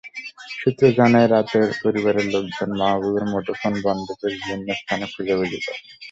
সূত্র জানায়, রাতে পরিবারের লোকজন মাহবুবের মুঠোফোন বন্ধ পেয়ে বিভিন্ন স্থানে খোঁজাখুঁজি করেন।